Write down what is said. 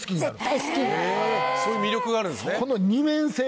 そういう魅力があるんですね。